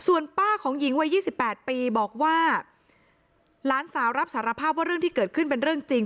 ส่วนป้าของหญิงวัย๒๘ปีบอกว่าหลานสาวรับสารภาพว่าเรื่องที่เกิดขึ้นเป็นเรื่องจริง